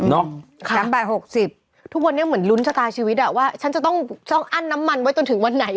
เนาะค่ะทุกคนเนี่ยเหมือนลุ้นจตาชีวิตอะว่าฉันจะต้องอั้นน้ำมันไว้ตนถึงวันไหน